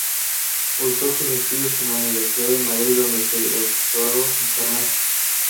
Cursó sus estudios en la Universidad de Madrid, donde se doctoró en farmacia.